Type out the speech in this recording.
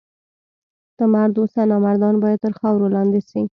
ته مرد اوسه! نامردان باید تر خاورو لاندي سي.